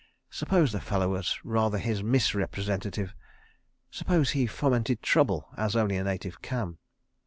Suppose the fellow was rather his mis representative? Suppose he fomented trouble, as only a native can?